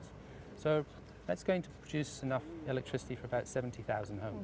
elastis yang cukup untuk sekitar tujuh puluh rumah